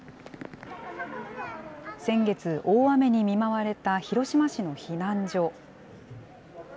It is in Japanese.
先月、大雨に見舞われた広島市の避難所。